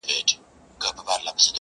كه خپلوې مي نو در خپل مي كړه زړكيه زما؛